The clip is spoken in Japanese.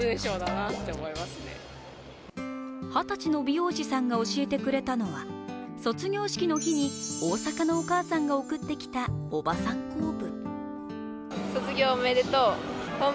二十歳の美容師さんが教えてくれたのは卒業式の日に大阪のお母さんが送ってきたおばさん構文。